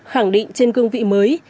khẳng định trên cương vị mới